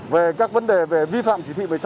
về các vấn đề về vi phạm chỉ thị một mươi sáu